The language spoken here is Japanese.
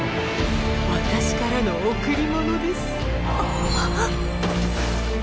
私からの贈り物です。